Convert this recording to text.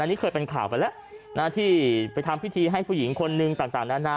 อันนี้เคยเป็นข่าวไปแล้วนะที่ไปทำพิธีให้ผู้หญิงคนนึงต่างนานา